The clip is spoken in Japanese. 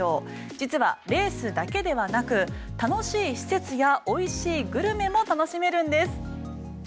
実はレースだけではなく楽しい施設やおいしいルメも楽しめるんです。